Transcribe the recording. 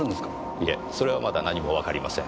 いえそれはまだ何もわかりません。